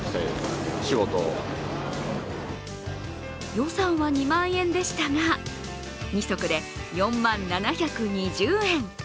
予算は２万円でしたが２足で４万７２０円。